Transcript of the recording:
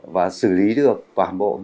và xử lý được toàn bộ những